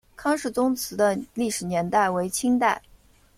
康氏宗祠的历史年代为清代。